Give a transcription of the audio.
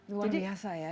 luar biasa ya